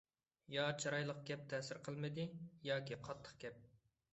يا چىرايلىق گەپ تەسىر قىلمىدى، ياكى قاتتىق گەپ.